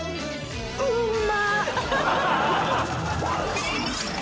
うんま！